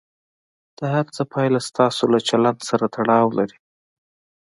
د هر څه پایله ستاسو له چلند سره تړاو لري.